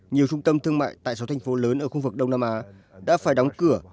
nhiều trung tâm thương mại tại sáu thành phố lớn ở khu vực đông nam á đã phải đóng cửa